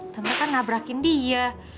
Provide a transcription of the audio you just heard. tante kan ngabrakin dia